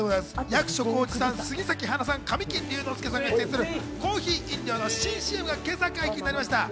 役所広司さん、杉咲花さん、神木隆之介さんが出演するコーヒー飲料の新ＣＭが今朝、解禁になりました。